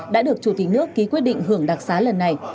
đã được chủ tịch nước ký quyết định hưởng đặc xá lần này